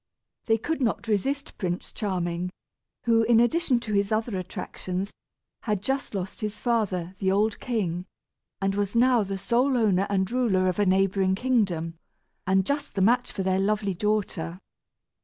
They could not resist Prince Charming, who, in addition to his other attractions, had just lost his father, the old king, and was now the sole owner and ruler of a neighboring kingdom, and just the match for their lovely daughter.